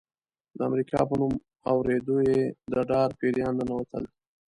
د امریکا په نوم اورېدو یې د ډار پیریان ننوتل.